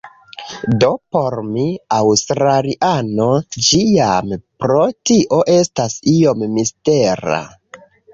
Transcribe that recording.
Do por mi, aŭstraliano, ĝi jam pro tio estas iom mistera.